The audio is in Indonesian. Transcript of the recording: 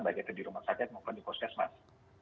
baik itu di rumah sakit mungkin di poskesman